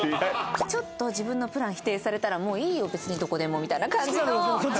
ちょっと自分のプラン否定されたら「もういいよ別にどこでも」みたいな感じの。